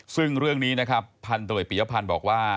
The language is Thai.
ซึ่งเรื่องนี้นะครับพันธุ์โดยปิเยาะพันธุ์บอกว่า